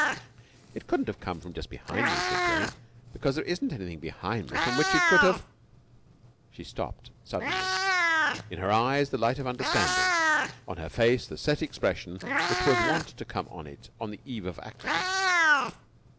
"It couldn't have come from just behind me," said Jane, "because there isn't anything behind me from which it could have...." She stopped suddenly, in her eyes the light of understanding, on her face the set expression which was wont to come to it on the eve of action.